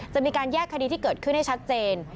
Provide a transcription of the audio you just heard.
จะมีการแยกคดีที่เกิดขึ้นให้ชัดเจน